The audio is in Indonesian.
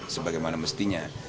sebagai mana mestinya